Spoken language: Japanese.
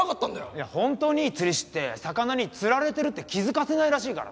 いや本当にいい釣り師って魚に釣られてるって気づかせないらしいからね。